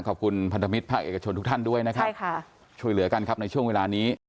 พันธมิตรภาคเอกชนทุกท่านด้วยนะครับช่วยเหลือกันครับในช่วงเวลานี้